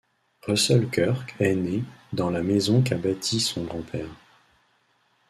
Russell Kirk est né dans la maison qu'a bâtie son grand-père.